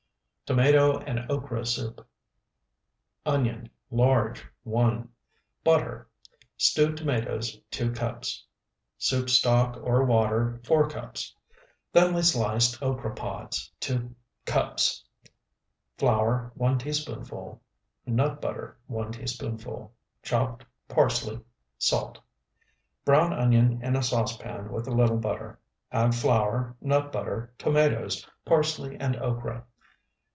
TOMATO AND OKRA SOUP Onion, large, 1. Butter. Stewed tomatoes, 2 cups. Soup stock or water, 4 cups. Thinly sliced okra pods, 2 cups. Flour, 1 teaspoonful. Nut butter, 1 teaspoonful. Chopped parsley. Salt. Brown onion in a saucepan with a little butter; add flour, nut butter, tomatoes, parsley, and okra.